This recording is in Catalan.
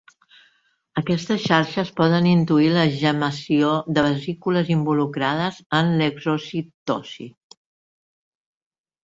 Aquestes xarxes poden intuir la gemmació de vesícules involucrades en l'exocitosi.